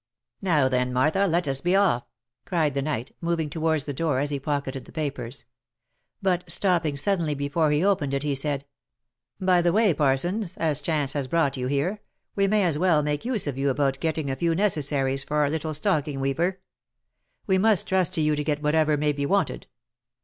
" Now then, Martha, let us be off!" cried the knight, moving to wards the door as he pocketed the papers. But stopping suddenly before he opened it he said, " By the way, Parsons, as chance has brought you here, we may as well make use of you about getting a few necessaries for our little stocking weaver. We must trust to you to get whatever may be wanted.